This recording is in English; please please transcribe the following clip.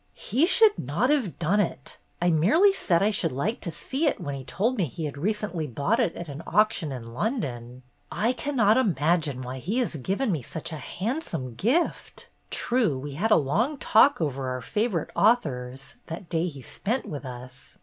"He should not have done it. I merely said I should like to see it when he told me he had recently bought it at an auction in London. CHRISTMAS EVE 261 I cannot imagine why he has given me such a handsome gift. True, we had a long talk over our favorite authors, that day he spent with us.